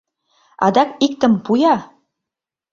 Адак иктым пу-я.